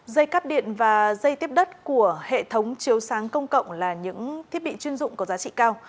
dây cắp điện và dây tiếp đất của hệ thống chiếu sáng công cộng là những thiết bị chuyên dụng có giá trị cao